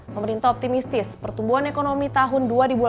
pemerintah optimistis pertumbuhan ekonomi tahun dua ribu delapan belas